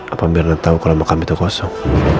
apa mirna tau kalau makam itu kosong